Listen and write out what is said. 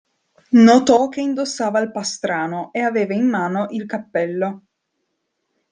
Notò che indossava il pastrano e aveva in mano il cappello.